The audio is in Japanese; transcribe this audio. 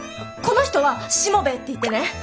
この人はしもべえっていってね。